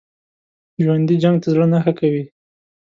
ژوندي جنګ ته زړه نه ښه کوي